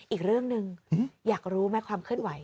อีกเรื่องหนึ่งอยากรู้ไหมความเคลื่อนไหว